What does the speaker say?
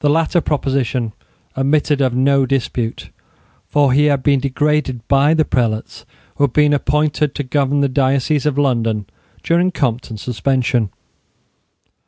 The latter proposition admitted of no dispute: for he had been degraded by the prelates who had been appointed to govern the diocese of London during Compton's suspension.